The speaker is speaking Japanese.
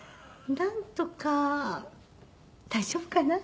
なんとか大丈夫かな？